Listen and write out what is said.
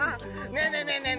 ねえねえねえねえ！